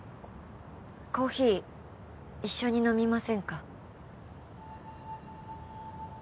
コーヒー一緒に飲みませんか？